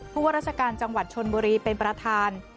ผู้รัฐกาลจังหวัดชนบุรีเป็นประทาน